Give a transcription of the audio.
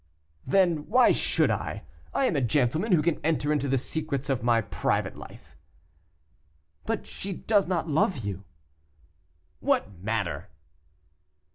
"Then, why should I? I am a gentleman; who can enter into the secrets of my private life?" "But she does not love you." "What matter?"